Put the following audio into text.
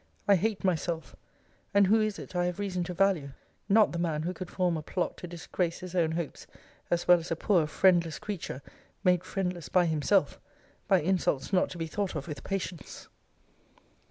I hate myself: And who is it I have reason to value? Not the man who could form a plot to disgrace his own hopes, as well as a poor friendless creature, (made friendless by himself,) by insults not to be thought of with patience.